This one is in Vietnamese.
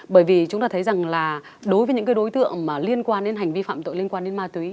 bởi vì chúng ta thấy rằng là đối với những cái đối tượng liên quan đến hành vi phạm tội liên quan đến ma túy